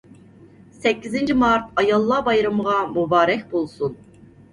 «سەككىزىنچى مارت» ئاياللار بايرىمىغا مۇبارەك بولسۇن.